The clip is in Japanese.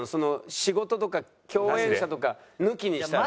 仕事とか共演者とか抜きにしたら。